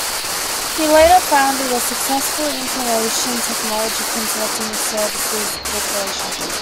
He later founded a successful Information Technology Consulting Services corporation.